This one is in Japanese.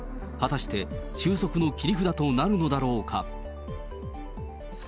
果たして、収束の切り札となるのだろうか。